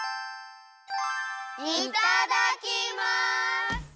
いただきます！